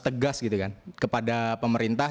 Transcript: tegas gitu kan kepada pemerintah